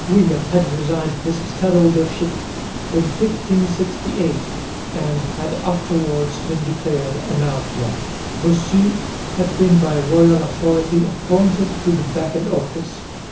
William had resigned his stadholdership in 1568 and had afterwards been declared an outlaw. Bossu had been by royal authority appointed to the vacant office.